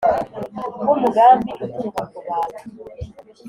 bw’umugambi uturuka ku bantu